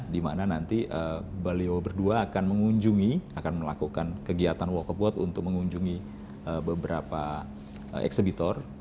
dimana nanti beliau berdua akan mengunjungi akan melakukan kegiatan walk about untuk mengunjungi beberapa eksebitor